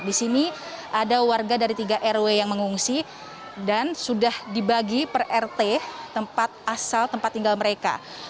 di sini ada warga dari tiga rw yang mengungsi dan sudah dibagi per rt tempat asal tempat tinggal mereka